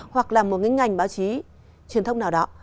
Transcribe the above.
hoặc là một cái ngành báo chí truyền thông nào đó